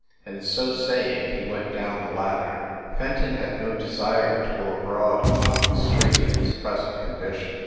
And, so saying, he went down the ladder. Fenton had no desire to go abroad upon the street in his present condition.